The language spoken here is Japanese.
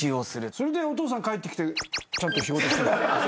それでお父さん帰ってきてちゃんと仕事して。